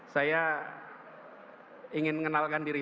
saya ingin mengenalkan diri